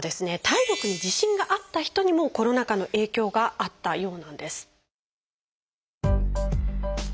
体力に自信があった人にもコロナ禍の影響があったようなんです。